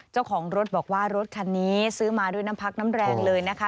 เจ้าของรถบอกว่ารถคันนี้ซื้อมาด้วยน้ำพักน้ำแรงเลยนะคะ